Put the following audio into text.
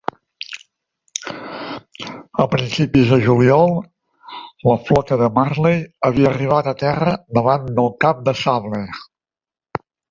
A principis de juliol, la flota de Manley havia arribat a terra davant del Cap de Sable.